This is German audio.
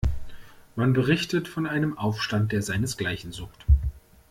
Man berichtet von einem Aufstand, der seinesgleichen sucht.